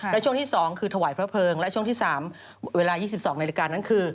และช่วงที่๒คือถวายพระเพลิงและช่วงที่๓เวลา๒๒นาฬิกานั้นคือ